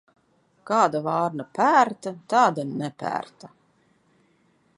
Kāda vārna pērta, tāda nepērta.